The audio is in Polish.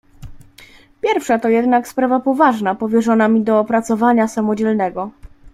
"Pierwsza to jednak sprawa poważna, powierzona mi do opracowania samodzielnego."